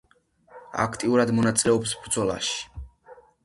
აქტიურად მონაწილეობს ბრძოლაში.